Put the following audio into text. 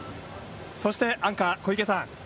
そしてアンカー、小池さん。